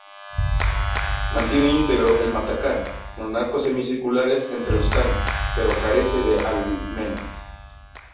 Mantiene íntegro el matacán con arcos semicirculares entre los canes, pero carece de almenas.